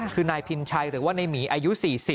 คือนายพินชัยหรือว่าในหมีอายุ๔๐